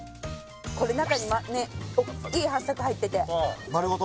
これ中にねっ大きいはっさく入ってて丸ごと？